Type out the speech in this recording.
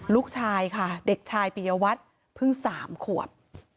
ลูกชายค่ะเด็กชายปิยวัตรเพิ่ง๓ขวบ